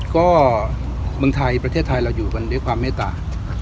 ก็เมืองไทยประเทศไทยเราอยู่กันด้วยความเมตตา